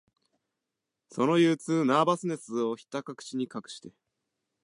その憂鬱、ナーバスネスを、ひたかくしに隠して、